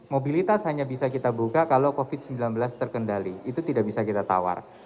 mobilitas hanya bisa kita buka kalau covid sembilan belas terkendali itu tidak bisa kita tawar